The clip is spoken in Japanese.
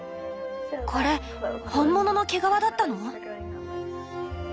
これ本物の毛皮だったの？